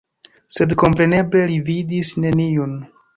Sed kompreneble li vidis neniun.